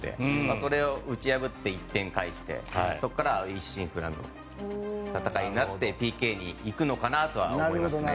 それを打ち破って１点返してそこから一心不乱の戦いになってＰＫに行くのかなとは思いますね。